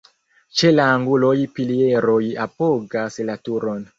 Ĉe la anguloj pilieroj apogas la turon.